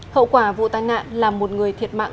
hậu quả vụ tai nạn là một người thiệt mạng